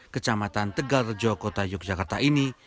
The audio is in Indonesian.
kecamatan tegal rejo kota yogyakarta ini